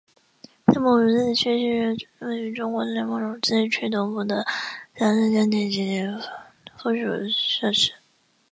内蒙古自治区长城是位于中国内蒙古自治区东部的长城墙体及附属设施。